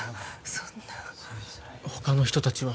そんな他の人達は？